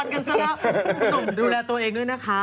หนุ่มดูแลตัวเองด้วยนะคะ